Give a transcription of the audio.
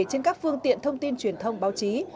trên các phương tiện thông tin truyền thông báo chí